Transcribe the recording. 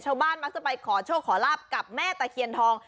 มักจะไปขอโชคขอลาบกับแม่ตะเคียนทอง